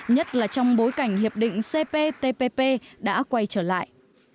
nhất là trong bối cảnh hiệp định cptpp đã quay trở lại